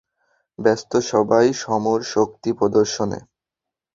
ব্যস্ত সবাই সমর শক্তি প্রদর্শনে।